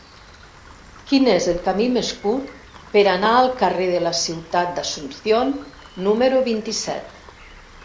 Quin és el camí més curt per anar al carrer de la Ciutat d'Asunción número vint-i-set?